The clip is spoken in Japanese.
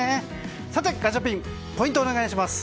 さて、ガチャピンポイントをお願いします！